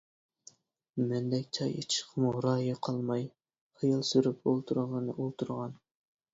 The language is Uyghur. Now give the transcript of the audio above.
مەندەك چاي ئىچىشكىمۇ رايى قالماي خىيال سۈرۈپ ئولتۇرغىنى ئولتۇرغان.